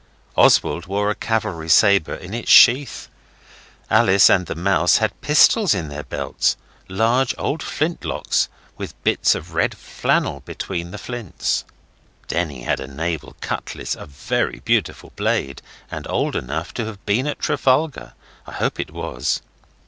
Oswald wore a cavalry sabre in its sheath. Alice and the Mouse had pistols in their belts, large old flint locks, with bits of red flannel behind the flints. Denny had a naval cutlass, a very beautiful blade, and old enough to have been at Trafalgar. I hope it was.